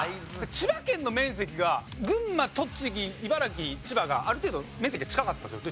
千葉県の面積が群馬栃木茨城千葉がある程度面積が近かったんですよ。